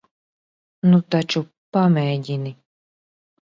Nu taču, pamēģini.